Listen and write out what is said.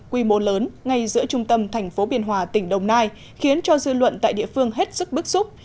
quy mô lớn ngay giữa trung tâm thành phố biên hòa tỉnh đồng nai khiến cho dư luận tại địa phương hết sức bức xúc